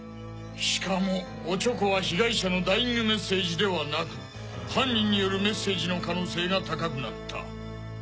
しかもオチョコは被害者のダイイングメッセージではなく犯人によるメッセージの可能性が高くなった。